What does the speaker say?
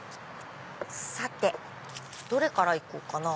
さてどれから行こうかな。